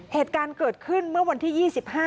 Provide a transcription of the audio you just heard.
เหตุการณ์เกิดขึ้นเมื่อวันที่๒๕